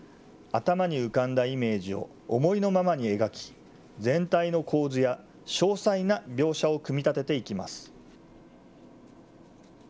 頭に浮かんだイメージを思いのままに描き、全体の構図や、詳細な描写を組み立てていきます。